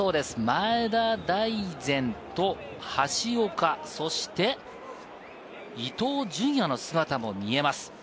前田大然と、橋岡、そして伊東純也の姿も見えます。